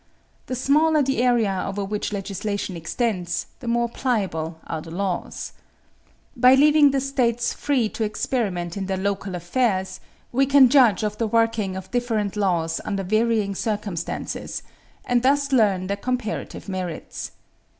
The smaller the area over which legislation extends, the more pliable are the laws. By leaving the States free to experiment in their local affairs, we can judge of the working of different laws under varying circumstances, and thus learn their comparative merits.